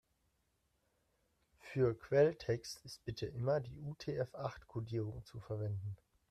Für Quelltext ist bitte immer die UTF-acht-Kodierung zu verwenden.